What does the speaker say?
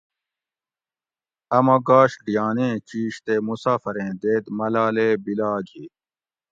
اۤ مہ گاش ڈیانیں چیش تے مسافریں دید ملالے بیلاگ ہی